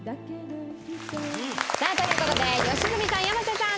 さあという事で良純さん山瀬さん